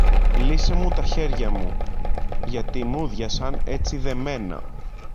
Λύσε μου τα χέρια μου, γιατί μούδιασαν έτσι δεμένα.